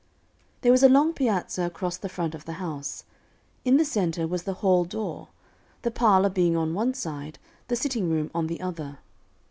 There was a long piazza across the front of the house. In the center was the hall door the parlor being on one side, the sitting room on the other.